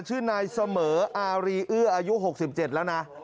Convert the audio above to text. ชื่อนายเสมออารีเอื้ออายุ๖๗แล้วนะ